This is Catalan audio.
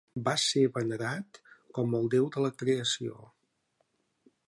Va ser venerat com el déu de la creació.